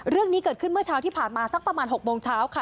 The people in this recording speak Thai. เรื่องนี้เกิดขึ้นเมื่อเช้าที่ผ่านมาสักประมาณ๖โมงเช้าค่ะ